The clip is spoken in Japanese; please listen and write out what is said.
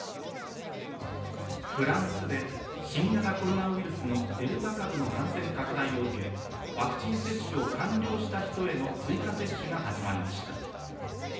フランスで新型コロナウイルスのデルタ株の感染拡大を受け、ワクチン接種を完了した人への追加接種が始まりました。